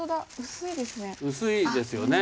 薄いですよね。